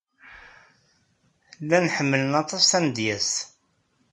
Llan ḥemmlen aṭas tamedyazt.